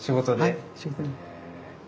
はい仕事で。